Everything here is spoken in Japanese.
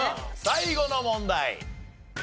最後の問題。